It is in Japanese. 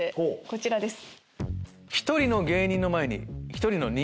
こちらです。